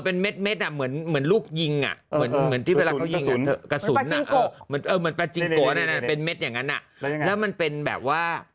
เป็นเม็ดเหมือนลูกยิงเป็นเม็ดอย่างนั้นนะแล้วมันเป็นแบบว่า